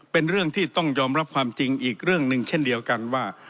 เป็นเรื่องที่ต้องยอมรับความจริงอีกเรื่องหนึ่งเช่นเดียวกันว่า